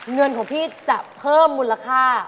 เงินของพี่จะเพิ่มมูลค่า